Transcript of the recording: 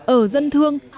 ở dân thương